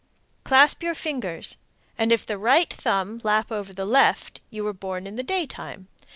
Clasp your fingers, and if the right thumb lap over the left you were born in the daytime.